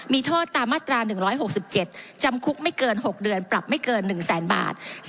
มีโทษตามมาตรา๑๖๗จำคุกไม่เกิน๖เดือนปรับไม่เกิน๑แสนบาท